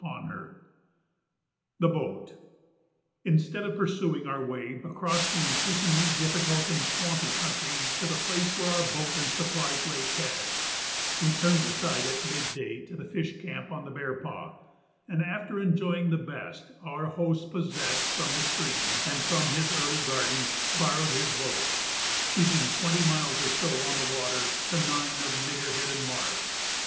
[Illustration: "Muk," the author's pet malamute.] [Sidenote: The Boat] Instead of pursuing our way across the increasingly difficult and swampy country to the place where our boat and supplies lay cached, we turned aside at midday to the "fish camp" on the Bearpaw, and, after enjoying the best our host possessed from the stream and from his early garden, borrowed his boat, choosing twenty miles or so on the water to nine of niggerhead and marsh.